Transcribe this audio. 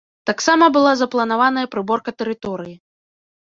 Таксама была запланаваная прыборка тэрыторыі.